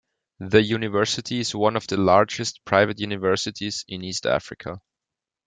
The university is one of the largest private universities in East Africa.